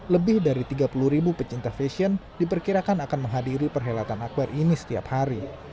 lebih dari tiga puluh ribu pecinta fashion diperkirakan akan menghadiri perhelatan akbar ini setiap hari